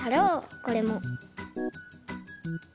これも。